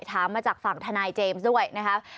ถามมาจากฝั่งทนายเจมส์ด้วยนะคะ